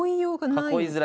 囲いづらい。